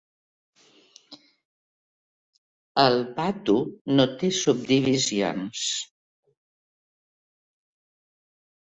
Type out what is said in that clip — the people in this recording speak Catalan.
El "vatu" no té subdivisions.